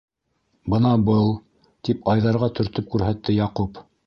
- Бына был, - тип, Айҙарға төртөп күрһәтте Яҡуп.